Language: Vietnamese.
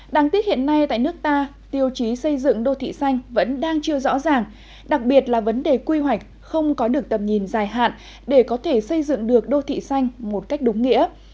đáng tiếc hiện nay tại nước ta tiêu chí xây dựng đô thị xanh vẫn đang chưa rõ ràng đặc biệt là vấn đề quy hoạch không có được tầm nhìn dài hạn để có thể xây dựng được đô thị xanh một cách đúng nghĩa